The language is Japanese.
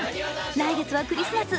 来月はクリスマス。